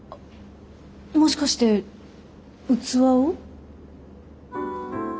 もしかして器を？